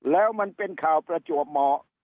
แล้วมันเป็นข่าวประจวบเหมาะ